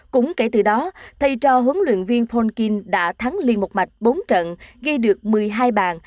cũng kể từ đó thay cho huấn luyện viên phonkin đã thắng liên một mạch bốn trận gây được một mươi hai bàn